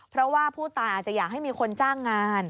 เพราะว่าผู้ตายอาจจะอยากให้มีคนจ้างงาน